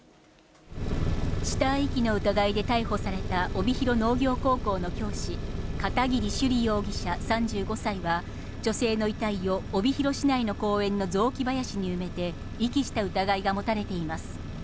死体遺棄の疑いで逮捕された帯広農業高校の教師、片桐朱璃容疑者３５歳は、女性の遺体を帯広市内の公園の雑木林に埋めて、遺棄した疑いが持たれています。